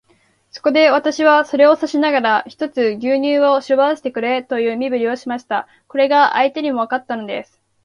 そこで、私はそれを指さしながら、ひとつ牛乳をしぼらせてくれという身振りをしました。これが相手にもわかったのです。